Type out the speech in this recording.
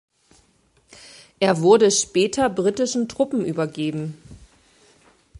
Er wurde später britischen Truppen übergeben.